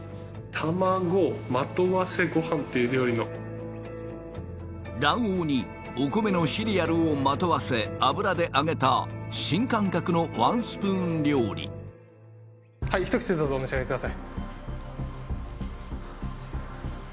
卵まとわせご飯っていう料理の卵黄にお米のシリアルをまとわせ油で揚げた新感覚のワンスプーン料理はいひと口でどうぞお召し上がりください